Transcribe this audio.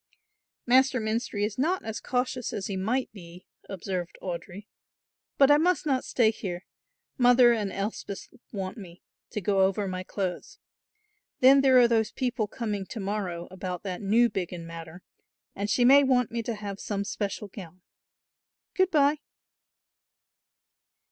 "Master Menstrie is not as cautious as he might be," observed Audry, "but I must not stay here, Mother and Elspeth want me, to go over my clothes. Then there are those people coming to morrow about that Newbiggin matter and she may want me to have some special gown. Good bye."